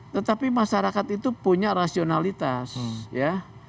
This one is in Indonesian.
tetapi masyarakat itu punya rasionalitas ya